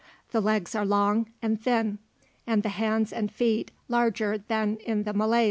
The legs are long and thin, and the hands and feet larger than in the Malays.